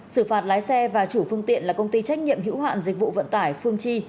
xử phạt lái xe và chủ phương tiện là công ty trách nhiệm hữu hạn dịch vụ vận tải phương chi